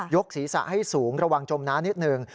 กศีรษะให้สูงระวังจมน้ำนิดหนึ่ง